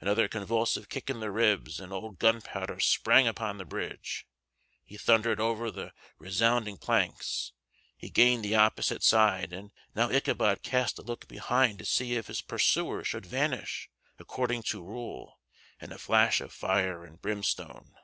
Another convulsive kick in the ribs, and old Gunpowder sprang upon the bridge; he thundered over the resounding planks; he gained the opposite side; and now Ichabod cast a look behind to see if his pursuer should vanish, according to rule, in a flash of fire and brimstone.